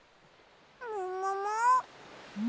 ももも？